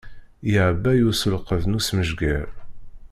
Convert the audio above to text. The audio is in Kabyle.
Iɛebba i uselqeb d usmejger.